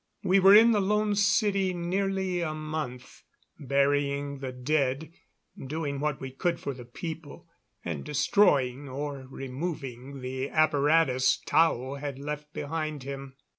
We were in the Lone City nearly a month, burying the dead, doing what we could for the people, and destroying or removing the apparatus Tao had left behind him.